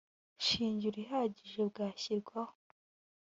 shingiro ihagije bwashyirwaho